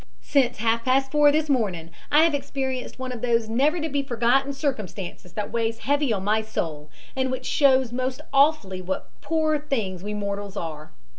"Since half past four this morning I have experienced one of those never to be forgotten circumstances that weighs heavy on my soul and which shows most awfully what poor things we mortals are.